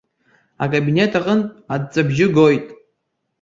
Акабинет аҟынтә аҵәҵәабжьы гоит.